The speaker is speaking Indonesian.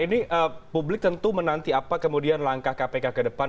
ini publik tentu menanti apa kemudian langkah kpk ke depan